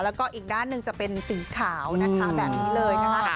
แล้วก็อีกด้านหนึ่งจะเป็นสีขาวนะคะแบบนี้เลยนะคะ